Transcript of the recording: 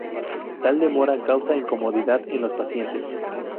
Tal demora causa incomodidad en los pacientes.